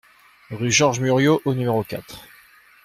Rue Georges Muriot au numéro quatre